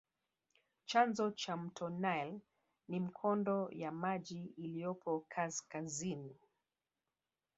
Chanzo cha mto nile ni mikondo ya maji iliyopo kaskazini